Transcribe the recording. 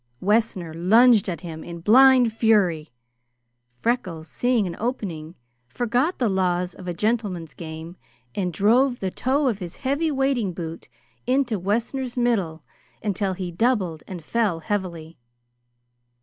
Wessner lunged at him in blind fury. Freckles, seeing an opening, forgot the laws of a gentleman's game and drove the toe of his heavy wading boot in Wessner's middle until he doubled and fell heavily.